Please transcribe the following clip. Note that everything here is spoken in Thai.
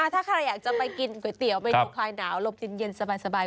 ถ้าใครอยากจะไปกินก๋วยเตี๋ยวไปดูคลายหนาวลมเย็นสบาย